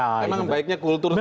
memang baiknya kultur seperti itu ya